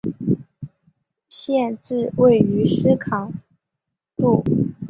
县治位于斯卡杜。